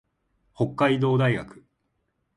北海道大学